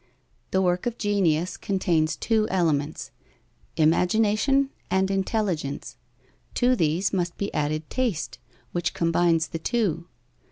The work of genius contains two elements: imagination and intelligence. To these must be added taste, which combines the two.